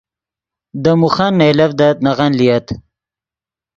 دے موخن نئیلڤدت نغن لییت